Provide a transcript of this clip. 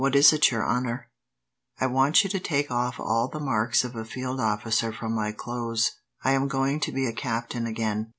"What is it, your honour?" "I want you to take off all the marks of a field officer from my clothes. I am going to be a captain again."